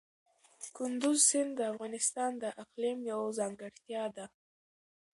کندز سیند د افغانستان د اقلیم یوه ځانګړتیا ده.